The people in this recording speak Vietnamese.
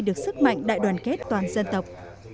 được sức mạnh đại đoàn kết toàn dân tộc